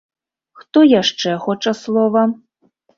Хто яшчэ хоча слова?